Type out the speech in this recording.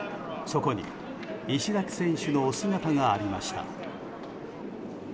そこに石崎選手の姿がありました。